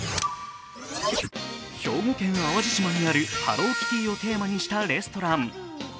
兵庫県・淡路島にあるハローキティをテーマしたにレストラン。